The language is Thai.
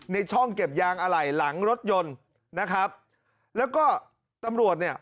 ในช่องเก็บยางอะไหล่หลังรถยนต์นะครับแล้วก็ตำรวจเนี่ย